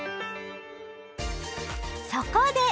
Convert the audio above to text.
そこで！